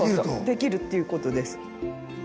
できるっていうことです。